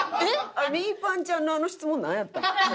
あれみーぱんちゃんのあの質問なんやったん？